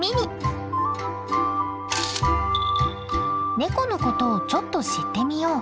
ネコのことをちょっと知ってみよう。